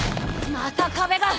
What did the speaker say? また壁が！